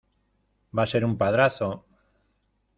va a ser un padrazo.